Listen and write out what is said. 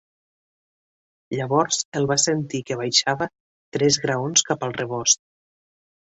Llavors el van sentir que baixava tres graons cap al rebost.